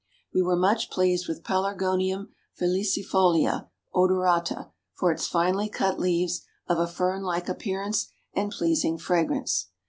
We were much pleased with Pelargonium Filicifolia Odorata for its finely cut leaves of a Fern like appearance and pleasing fragrance.